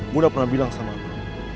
gue udah pernah bilang sama kamu